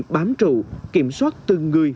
bám trụ kiểm soát từng người